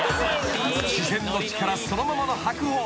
［自然の力そのままの白鳳。